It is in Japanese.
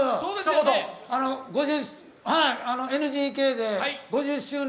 ＮＧＫで５０周年